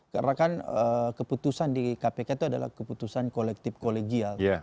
karena kan keputusan di kpk itu adalah keputusan kolektif kolegial